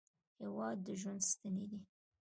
هېواد د ژوند ستنې دي.